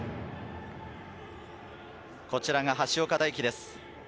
こちらが橋岡大樹です。